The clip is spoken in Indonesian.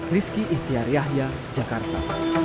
rizky ihtiar yahya jakarta